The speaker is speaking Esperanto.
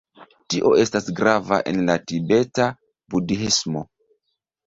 Tio estas grava en la Tibeta Budhismo.